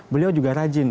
beliau juga rajin